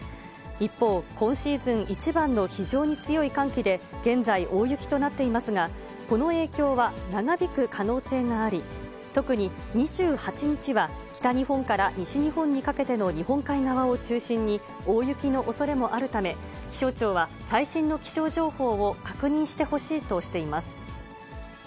一方、今シーズン一番の非常に強い寒気で、現在大雪となっていますが、この影響は長引く可能性があり、特に２８日は、北日本から西日本にかけての日本海側を中心に、大雪のおそれもあるため、気象庁は、最新の気象情報を確認してほしいとしています。